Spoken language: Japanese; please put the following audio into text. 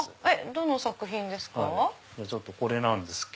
どの作品ですか？